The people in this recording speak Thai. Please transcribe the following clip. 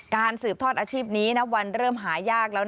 การสืบทอดอาชีพนี้นับวันเริ่มหายากแล้วนะ